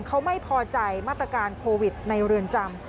เขาไม่พอใจมาตรการโควิดในเรือนจำ